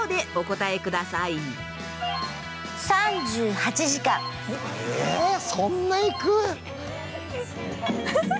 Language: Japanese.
ええっそんないく！？